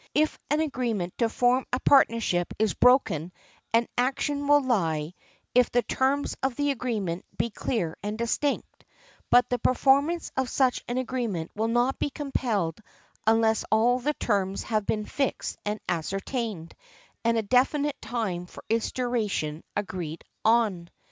If an agreement to form a partnership is broken an action will lie, if the terms of the agreement be clear and distinct; but the performance of such an agreement will not be compelled unless all the terms have been fixed and ascertained, and a definite time for its duration agreed on.